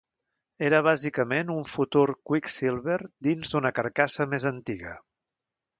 Era bàsicament un futur Quicksilver dins d'una carcassa més antiga.